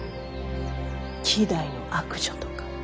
希代の悪女とか。